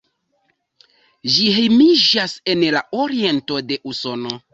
Ĝi hejmiĝas en la oriento de Usono.